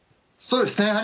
そうですね。